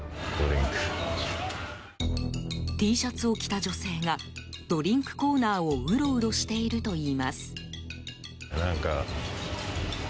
Ｔシャツを着た女性がドリンクコーナーをうろうろしているといいます。